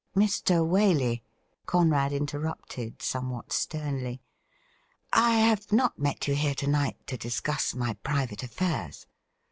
' Mr. Waley,' Conrad interrupted somewhat sternly, ' I have not met you here to night to discuss my private affairs.